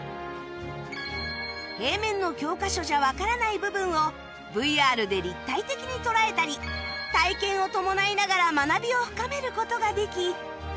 平面の教科書じゃわからない部分を ＶＲ で立体的に捉えたり体験を伴いながら学びを深める事ができ